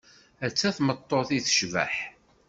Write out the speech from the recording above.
Atta tmeṭṭut i tecbeḥ!